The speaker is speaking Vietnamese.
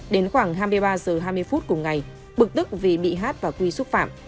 đến khoảng hai mươi ba h hai mươi phút cùng ngày bực tức vì bị hát và quy xúc phạm